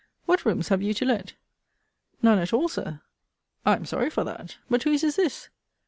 What rooms have you to let? None at all, Sir. I am sorry for that. But whose is this?